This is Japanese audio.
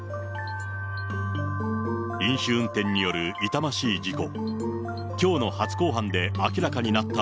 飲酒運転による痛ましい事故。